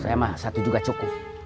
emang satu juga cukup